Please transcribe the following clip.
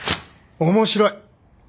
面白い！